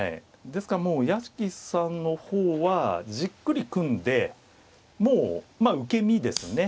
ですからもう屋敷さんの方はじっくり組んでもうまあ受け身ですね。